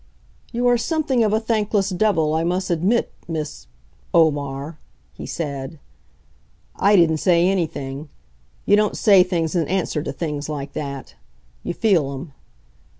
"You are something of a thankless devil, I must admit, Miss Omar," he said. I didn't say anything. You don't say things in answer to things like that. You feel 'em.